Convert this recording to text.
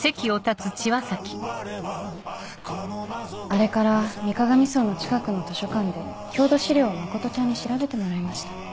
あれから水鏡荘の近くの図書館で郷土資料を真ちゃんに調べてもらいました。